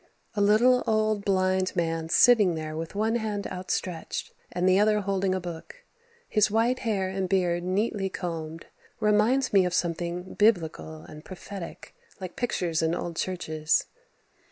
The little, old, blind man sitting there with one hand outstretched and the other holding a book, his white hair and beard neatly combed, reminds me of something Biblical and prophetic like pictures in old churches.